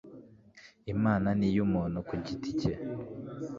Imana ni iy'umuntu kugiti cye.